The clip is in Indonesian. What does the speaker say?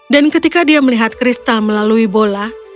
dan ketika dia melihat kristal melalui bola